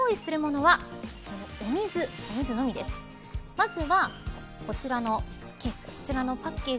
まずは、こちらのパッケージ。